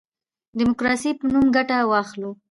د ډیموکراسی په نوم ګټه واخلو.